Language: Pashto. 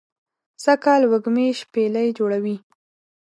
سږ کال وږمې شپیلۍ جوړوی